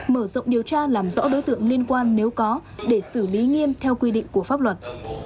mở rộng điều tra làm rõ đối tượng liên quan nếu có để xử lý nghiêm theo quy định của pháp luật